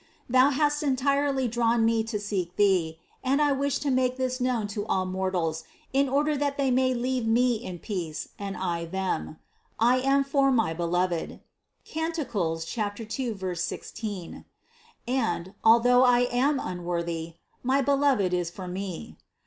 Thou hast entirely drawn me on to seek Thee, and I wish to make this known to all mortals in order that they may leave me in peace and I them: I am for my Beloved (Cant. 2, 16), and (although I am unworthy), my Beloved is for me.